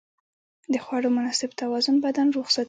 د خوړو مناسب توازن بدن روغ ساتي.